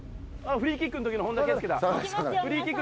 フリーキックん時の本田圭佑